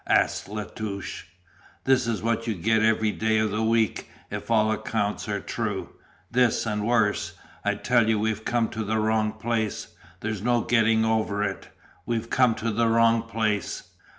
asked La Touche. "This is what you get every day of the week, if all accounts are true this, and worse. I tell you we've come to the wrong place. There's no getting over it. We've come to the wrong place."